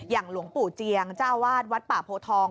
หลวงปู่เจียงเจ้าวาดวัดป่าโพทอง